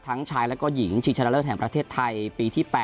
ทั้งชายและก็หญิงชีชนเริ่มแห่งประเทศไทยปีที่๘